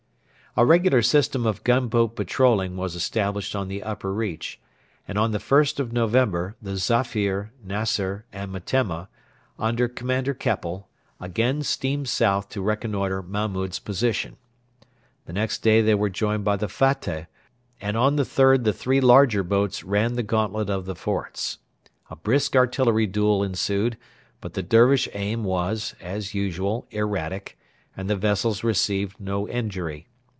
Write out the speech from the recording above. A regular system of gunboat patrolling was established on the upper reach, and on the 1st of November the Zafir, Naser, and Metemma, under Commander Keppel, again steamed south to reconnoitre Mahmud's position. The next day they were joined by the Fateh, and on the 3rd the three larger boats ran the gauntlet of the forts. A brisk artillery duel ensued, but the Dervish aim was, as usual, erratic, and the vessels received no injury.